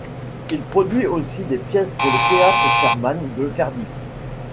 Il produit aussi des pièces pour le théâtre Shermann de Cardiff.